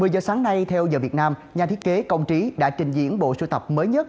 một mươi giờ sáng nay theo giờ việt nam nhà thiết kế công trí đã trình diễn bộ sưu tập mới nhất